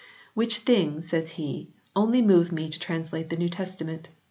"Which thing," says he, "only moved me to trans late the New Testament.